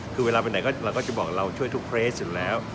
คือเวลาไปไหนเนี่ยเราก็จะบอกเราช่วยทุกเคสสิทธิ์แล้ว